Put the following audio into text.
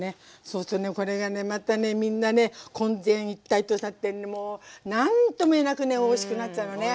そうするとねこれがねまたみんなね混然一体となってもう何とも言えなくねおいしくなっちゃうのね。